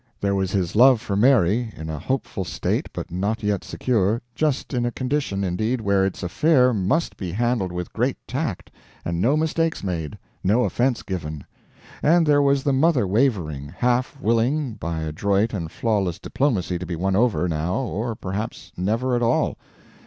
There was his love for Mary, in a hopeful state but not yet secure just in a condition, indeed, where its affair must be handled with great tact, and no mistakes made, no offense given. And there was the mother wavering, half willing by adroit and flawless diplomacy to be won over, now, or perhaps never at all.